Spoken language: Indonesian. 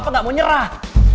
tapi papa gak mau nyerah